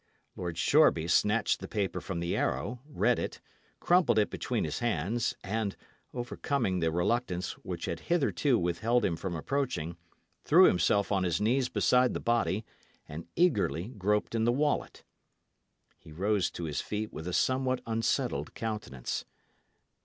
Lord Shoreby snatched the paper from the arrow, read it, crumpled it between his hands, and, overcoming the reluctance which had hitherto withheld him from approaching, threw himself on his knees beside the body and eagerly groped in the wallet. He rose to his feet with a somewhat unsettled countenance.